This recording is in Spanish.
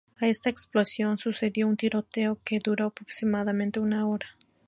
A esta explosión sucedió un tiroteo que duró aproximadamente una hora.